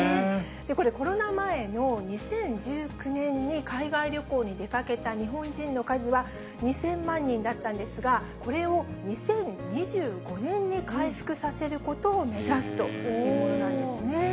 これ、コロナ前の２０１９年に海外旅行に出かけた日本人の数は２０００万人だったんですが、これを２０２５年に回復させることを目指すというものなんですね。